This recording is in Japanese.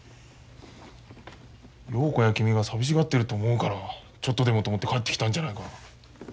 陽子や君が寂しがってると思うからちょっとでもと思って帰ってきたんじゃないか。